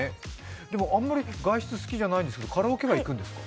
あんまり外出好きじゃないけどカラオケ行くんですか？